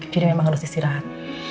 jadi memang harus istirahat